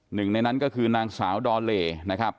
หนึ่งในนั้นก็คือนางสาวดอเลนะครับ